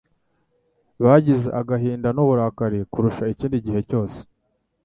Bagize agahinda n'uburakari kurusha ikindi gihe cyose,